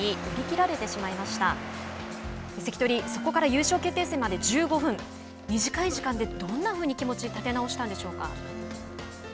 寄り切られてそこから優勝決定戦まで１５分短い時間でどんなふうに気持ちを立て直したんでしょうか。